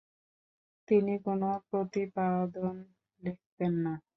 তিনি কোন প্রতিপাদন লিখতেন না।